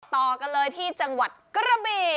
ต่อกันเลยที่จังหวัดกระบี่